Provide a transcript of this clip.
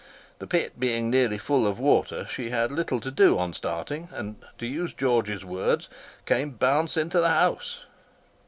The pit being nearly full of water, she had little to do on starting, and, to use George's words, "came bounce into the house."